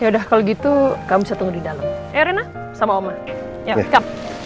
yaudah kalau gitu kamu setengah di dalam arena sama om ya